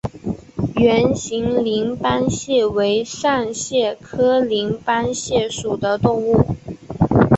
圆形鳞斑蟹为扇蟹科鳞斑蟹属的动物。